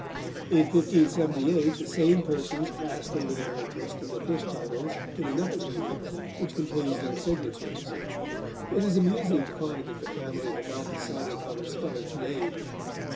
In 1578 the same persons passed over their interest in the fish titles in another deed, which contains their signatures. It is amusing to find that the family had not decided how to spell its name.